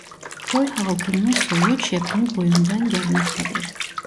Köy halkının soyu Çepni boyundan gelmektedir.